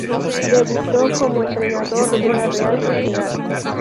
Debutó como entrenador en la Real Sociedad.